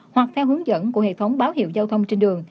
hoặc theo hướng dẫn của hệ thống báo hiệu giao thông trên đường